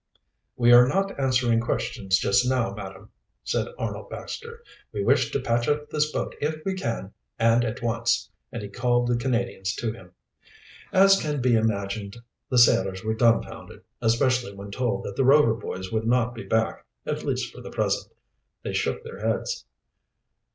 "We are not answering questions just now, madam," said Arnold Baxter. "We wish to patch up this boat if we can, and at once," and he called the Canadians to him. As can be imagined, the sailors were dumfounded, especially when told that the Rover boys would not be back, at least for the present. They shook their heads.